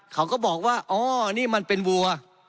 เขาก็บอกว่าอ๋อนี่มันเป็นวัว